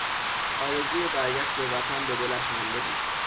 آرزوی برگشت به وطن به دلش مانده بود.